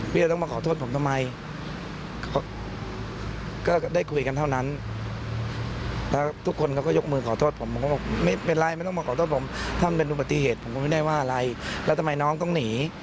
จะต้องมาขอโทษผมทำไมก็ได้คุยกันเท่านั้นแล้วทุกคนเขาก็ยกมือขอโทษผมผมก็บอกไม่เป็นไรไม่ต้องมาขอโทษผมถ้ามันเป็นอุบัติเหตุผมก็ไม่ได้ว่าอะไรแล้วทำไมน้องต้องหนี